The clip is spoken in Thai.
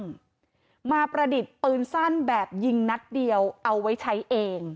เรียนมาเกี่ยวกับช่างมาประดิษฐ์ปืนสั้นแบบยิงนัดเดียวเอาไว้ใช้เอง